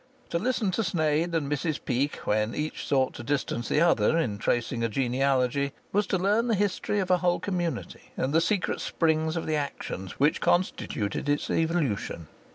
To listen to Sneyd and Mrs Peake, when each sought to distance the other in tracing a genealogy, was to learn the history of a whole community and the secret springs of the actions which constituted its evolution.